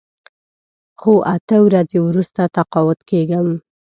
خو اته ورځې وروسته تقاعد کېږم.